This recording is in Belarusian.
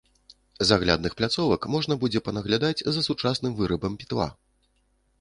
З аглядных пляцовак можна будзе панаглядаць за сучасным вырабам пітва.